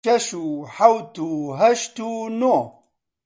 شەش و حەوت و هەشت و نۆ